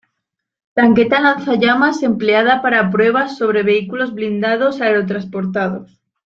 Tanqueta lanzallamas empleada para pruebas sobre vehículos blindados aerotransportados.